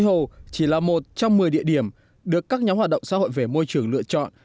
hà chỉ là một trong một mươi địa điểm được các nhóm hoạt động xã hội về môi trường lựa chọn